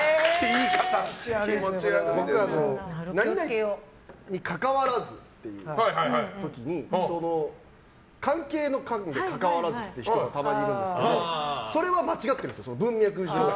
「何々にかかわらず」っていう時に関係の関で「関わらず」っていう人がたまにいるんですけどそれは間違ってるんですよ。